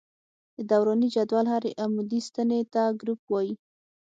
د دوراني جدول هرې عمودي ستنې ته ګروپ وايي.